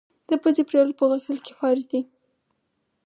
د پزي پرېولل په غسل کي فرض دي.